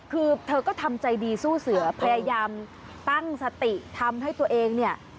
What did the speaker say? คือเธอก็ทำใจดีสู้เสือพยายามตั้งสติทำให้ตัวเองเนี่ย